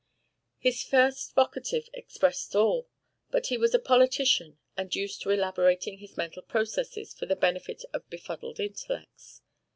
His first vocative expressed all, but he was a politician and used to elaborating his mental processes for the benefit of befuddled intellects.